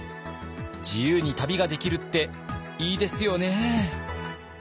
自由に旅ができるっていいですよね！